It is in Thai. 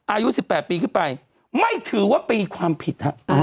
อายุปกรณ์๑๘ปีขึ้นไปไม่ถือว่าเป็นความผิด